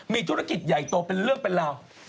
มีธุรกิจใหญ่โตเป็นเรื่องเป็นราว